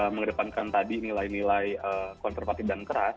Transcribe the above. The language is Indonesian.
mengedepankan tadi nilai nilai konservatif dan keras